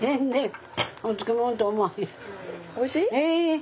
おいしい？